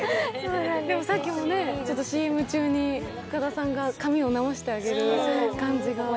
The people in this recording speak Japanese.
でもさっきもＣＭ中に深田さんが髪を直してあげる感じが。